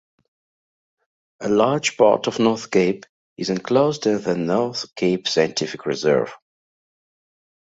A large part of North Cape is enclosed in the North Cape Scientific Reserve.